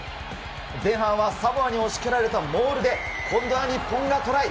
前半はサモアに押し切られたモールで、今度は日本がトライ。